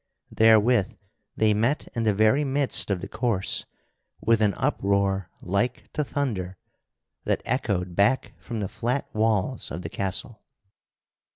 Therewith they met in the very midst of the course with an uproar like to thunder that echoed back from the flat walls of the castle.